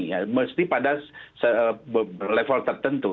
ya mesti pada level tertentu